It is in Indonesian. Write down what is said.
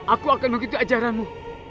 aku akan mengikuti ajaranmu